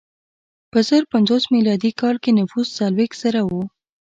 په زر پنځوس میلادي کال کې نفوس څلوېښت زره و.